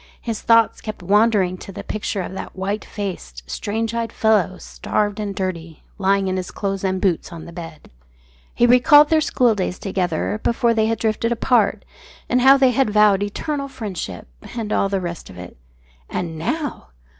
His thoughts kept wandering to the picture of that white faced, strange eyed fellow, starved and dirty, lying in his clothes and boots on the bed. He recalled their schooldays together before they had drifted apart, and how they had vowed eternal friendship and all the rest of it. And now!